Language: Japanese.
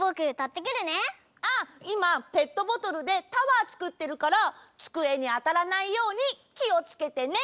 あっいまペットボトルでタワーつくってるからつくえにあたらないようにきをつけてね！